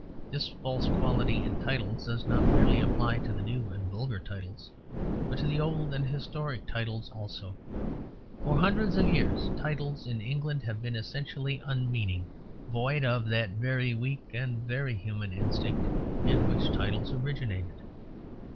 This false quality in titles does not merely apply to the new and vulgar titles, but to the old and historic titles also. For hundreds of years titles in England have been essentially unmeaning; void of that very weak and very human instinct in which titles originated.